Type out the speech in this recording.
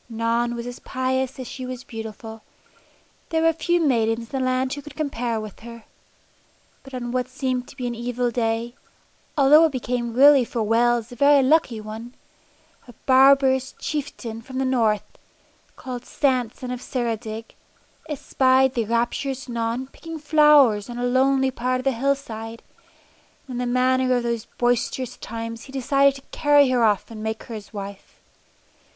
Non was as pious as she was beautiful. There were few maidens in the land who could compare with her. But on what seemed to be an evil day although it became really for Wales a very lucky one a barbarous chieftain from the north, called Sant son of Ceredig, espied the rapturous Non picking flowers on a lonely part of the hillside, and in the manner of those boisterous times he decided to carry her off and make her his wife.